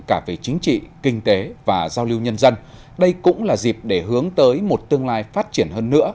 cả về chính trị kinh tế và giao lưu nhân dân đây cũng là dịp để hướng tới một tương lai phát triển hơn nữa